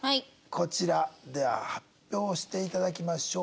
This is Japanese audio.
こちらでは発表していただきましょう。